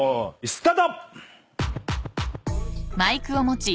スタート！